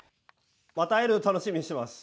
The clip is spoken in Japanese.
また会えるのを楽しみにしています。